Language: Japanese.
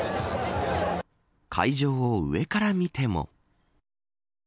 会場を上から見ても。